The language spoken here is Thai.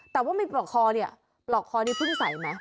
แต่ว่ามีปลอกคอเนี่ยปลอกคอนี่เพิ่งใส่ไหม